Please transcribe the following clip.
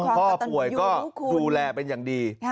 พ่อป่วยก็ดูแลเป็นอย่างดี